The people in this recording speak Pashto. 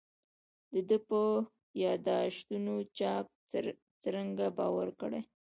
د ده په یاداشتونو چا څرنګه باور کړی.